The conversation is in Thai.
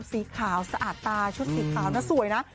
สีขาวสะอาดตาชุดสีขาวนะสวยนะ